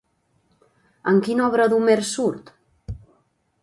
En quina obra d'Homer surt?